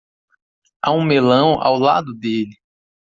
Há um melão ao lado dele.